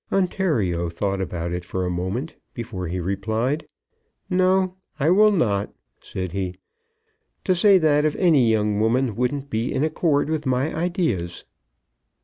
Ontario thought about it for a moment, before he replied. "No; I will not," said he. "To say that of any young woman wouldn't be in accord with my ideas."